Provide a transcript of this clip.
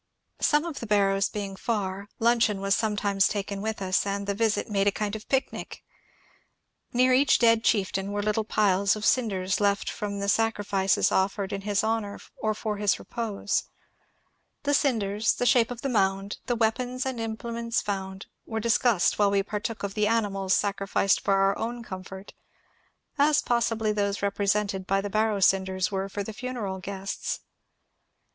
Some of the barrows being far, limcheon was sometimes taken with us, and the visit made a kind of picnic. Near HOSPITALITIES AT RUSHMORE 339 each dead chieftain were little piles of cinders left from sac rifices offered in his honour or for his repose. The cinders, the shape of the mound, the weapons and implements fotmd, were discussed while we partook of the animals sacrificed for our own comfort, — as possibly those represented by the barrow einders were for the funeral guests.